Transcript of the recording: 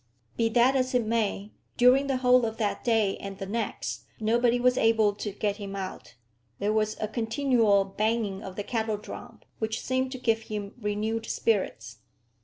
Be that as it may, during the whole of that day, and the next, nobody was able to get him out. There was a continual banging of the kettle drum, which seemed to give him renewed spirits.